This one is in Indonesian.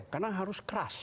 karena harus keras